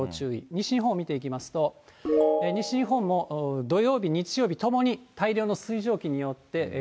西日本、見ていきますと、西日本も土曜日、日曜日、ともに大量の水蒸気によ